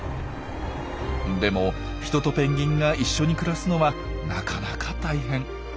でも人とペンギンが一緒に暮らすのはなかなか大変。